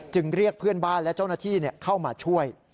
เรียกเพื่อนบ้านและเจ้าหน้าที่เข้ามาช่วย